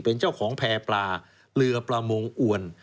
เป็นเจ้าของแพร่ปลาเรือประมงอวน